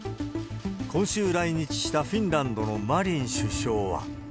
今週来日したフィンランドのマリン首相は。